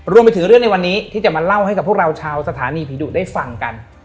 รวมไปถึงเรื่องในวันนี้ที่จะมาเล่าให้กับพวกเราชาวสถานีผีดุได้ฟังกัน